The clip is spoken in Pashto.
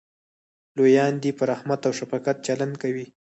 لویان دې په رحمت او شفقت چلند کوي.